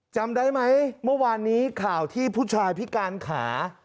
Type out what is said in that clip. จำได้ไหมเมื่อวานนี้ข่าวที่ผู้ชายพิการขา